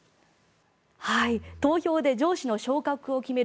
投票で上司の昇格を決める